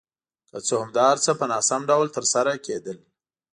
که څه هم دا هر څه په ناسم ډول ترسره کېدل.